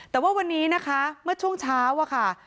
แต่ว่าวันนี้นะคะเมื่อช่วงเช้าอะค่ะ